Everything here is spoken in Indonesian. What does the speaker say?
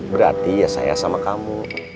berarti ya saya sama kamu